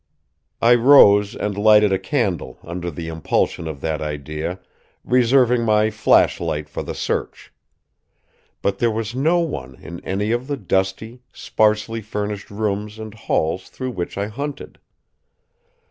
I rose and lighted a candle, under the impulsion of that idea, reserving my flashlight for the search. But there was no one in any of the dusty, sparsely furnished rooms and halls through which I hunted.